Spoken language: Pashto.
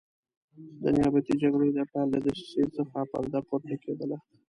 د نیابتي جګړې د پیل له دسیسې څخه پرده پورته کېدله.